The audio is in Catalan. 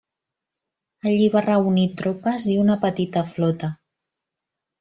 Allí va reunir tropes i una petita flota.